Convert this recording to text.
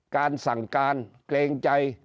การสั่งการเกรงใจ